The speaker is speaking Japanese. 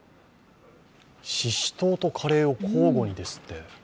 シシトウとカレーを交互にですって。